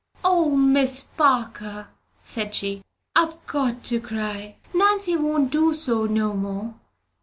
"O, Miss Parker!" said she, "I've got to cry. Nanny won't do so no more.